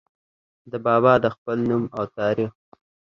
د بابا د خپل نوم او تاريخ